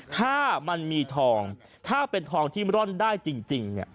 ถ้ามันมีทองถ้าเป็นทองที่ร่อนได้จริงเนี่ย